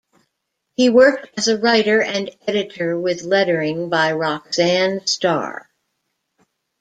He worked as writer and editor with lettering by Roxanne Starr.